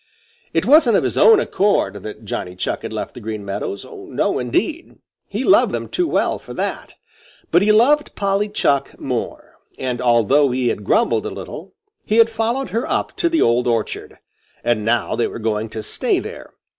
It wasn't of his own accord that Johnny Chuck had left the Green Meadows. No, indeed! He loved them too well for that. But he loved Polly Chuck more, and although he had grumbled a little, he had followed her up to the old orchard, and now they were going to stay there.